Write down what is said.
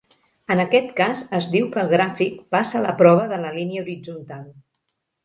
En aquest cas es diu que el gràfic passa la prova de la línia horitzontal.